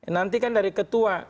nantikan dari ketua